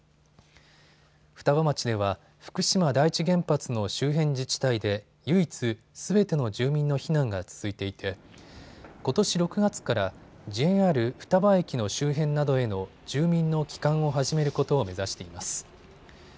双葉町では福島第一原発の周辺自治体で唯一、すべての住民の避難が続いていてことし６月からＪＲ双葉駅の周辺などへの住民の帰還を始めることを目指しています。